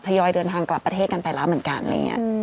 ยอยเดินทางกลับประเทศกันไปแล้วเหมือนกันอะไรอย่างนี้